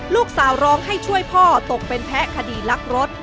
ลูกสาวร้องให้ช่วยพ่อตกเป็นแพ้คดีลักรถ